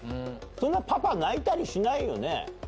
そんなパパ泣いたりしないよね？